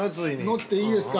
◆乗っていいですか？